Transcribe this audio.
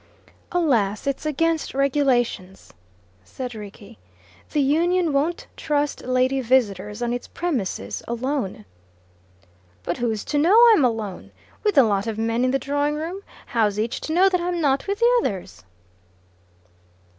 "Alas, it's against regulations," said Rickie. "The Union won't trust lady visitors on its premises alone." "But who's to know I'm alone? With a lot of men in the drawing room, how's each to know that I'm not with the others?"